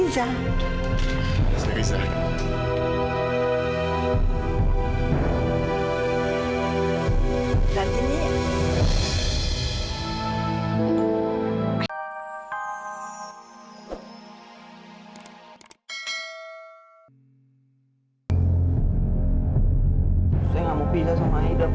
saya kalau di kampung nggak